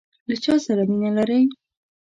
له چاسره مینه لرئ؟